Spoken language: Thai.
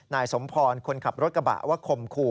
นายสมพรคนขับรถกระบะว่าคมคู่